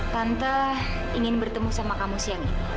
tante ingin bertemu sama kamu siang